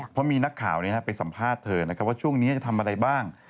เพราะมีนักข่าวไปสัมภาษณ์เธอนะครับว่าช่วงนี้จะทำอะไรบ้าง